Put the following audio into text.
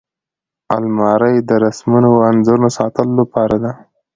الماري د رسمونو او انځورونو ساتلو لپاره ده